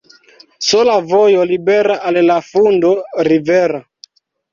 Sola vojo libera al la fundo rivera.